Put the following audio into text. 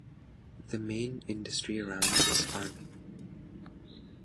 The main industry around is farming.